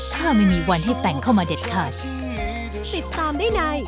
ข้ามันไม่มีวันให้แต่งเข้ามาเด็ดขาด